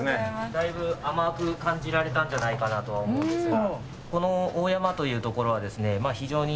だいぶ甘く感じられたんじゃないかなとは思うんですが。